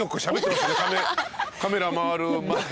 カメラ回る前。